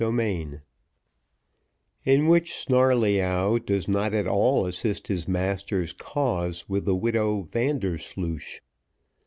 Chapter XI In which Snarleyyow does not at all assist his master's cause with the Widow Vandersloosh.